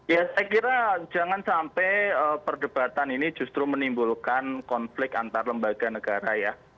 ya saya kira jangan sampai perdebatan ini justru menimbulkan konflik antar lembaga negara ya